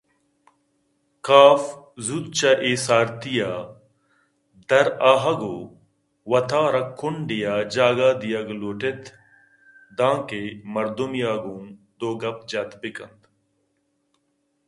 کاف زوت چہ اے سارتی ءَ درآہگءُوت ءَ را کنڈے ءَ جاگہے دیگ لوٹ اِت تاں کہ مردمے ءَ گوں دوگپ جت بہ کنت